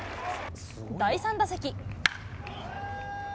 第３打席。